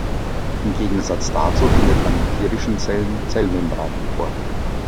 Im Gegensatz dazu findet man in tierischen Zellen Zellmembranen vor.